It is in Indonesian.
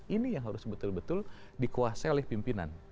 ini yang harus betul betul dikuasai oleh pimpinan